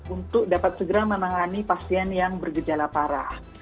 untuk dapat segera menangani pasien yang bergejala parah